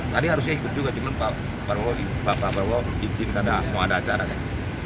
tadi harusnya ikut juga cuma pak prabowo izin karena mau ada acaranya